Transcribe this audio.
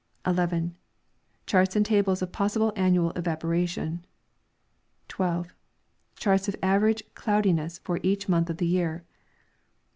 11. Charts and tables of possible annual evaporation. 12. Charts of average cloudiness for each month of the year.